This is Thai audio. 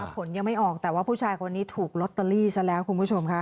ผลยังไม่ออกแต่ว่าผู้ชายคนนี้ถูกลอตเตอรี่ซะแล้วคุณผู้ชมค่ะ